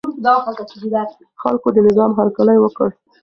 خلکو د نظام هرکلی وکړ.